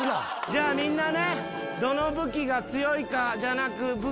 じゃあみんなね。